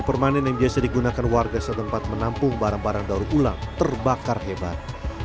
dan permanen yang biasa digunakan warga setempat menampung barang barang daur ulang terbakar hebat